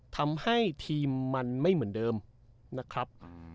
ทำให้ทีมมันไม่เหมือนเดิมนะครับ